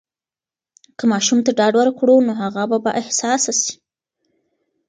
که ماشوم ته ډاډ ورکړو، نو هغه به بااحساسه سي.